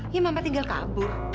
ya mama tinggal kabur